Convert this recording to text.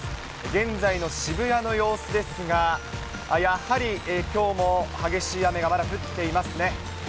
現在の渋谷の様子ですが、やはりきょうも激しい雨がまだ降っていますね。